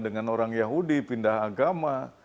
dengan orang yahudi pindah agama